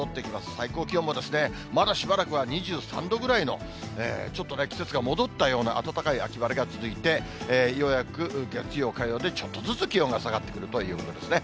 最高気温もまだしばらくは２３度ぐらいの、ちょっとね、季節が戻ったような暖かい秋晴れが続いて、ようやく月曜、火曜でちょっとずつ気温が下がってくるということですね。